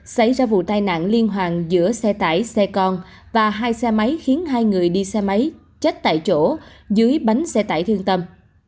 xảy ra vụ tai nạn liên hoàn giữa xe tải xe con và hai xe máy khiến hai người đi xe máy chết tại chỗ dưới bánh xe tải thương tâm